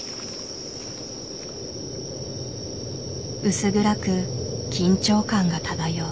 薄暗く緊張感が漂う。